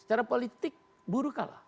secara politik buruh kan